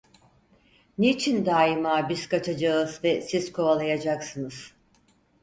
Niçin dâima biz kaçacağız ve siz kovalayacaksınız?